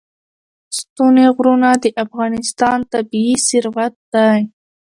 ستوني غرونه د افغانستان طبعي ثروت دی.